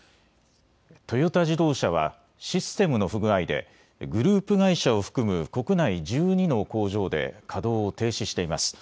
トヨタ自動車はシステムの不具合でグループ会社を含む国内１２の工場で稼働を停止しています。